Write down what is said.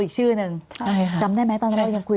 พี่เรื่องมันยังไงอะไรยังไง